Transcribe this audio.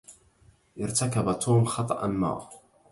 ارتكب توم خطأ" ما.